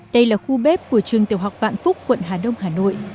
đây là khu bếp của trường tiểu học vạn phúc quận hà đông hà nội